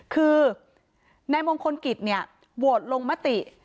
คือในมงคลกิจเนี่ยววดลงมติ